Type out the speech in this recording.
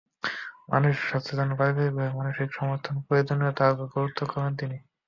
মানসিক স্বাস্থ্যের জন্য পারিবারিকভাবে মানসিক সমর্থনের প্রয়োজনীয়তার ওপর গুরুত্বারোপ করেন তিনি।